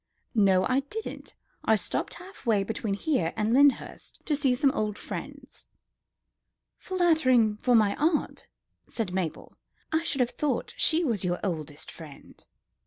"No, I didn't. I stopped halfway between here and Lyndhurst to see some old friends." "Flattering for my aunt," said Mabel. "I should have thought she was your oldest friend."